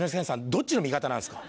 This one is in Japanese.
どっちの味方なんすか？